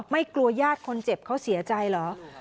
ไม่กลัวญาติคนเจ็บเขาเสียใจเหรอ